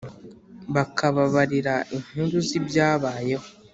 bakababarira inkuru z’ibyabayeho